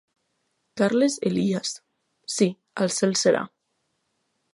"Carles Elias: Sí, al cel serà".